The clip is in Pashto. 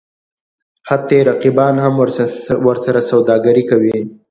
حتی رقیبان هم ورسره سوداګري کوي.